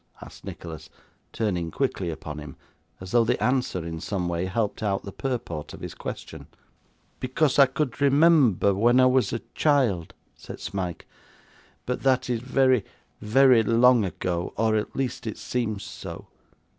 asked Nicholas, turning quickly upon him as though the answer in some way helped out the purport of his question. 'Because I could remember, when I was a child,' said Smike, 'but that is very, very long ago, or at least it seems so.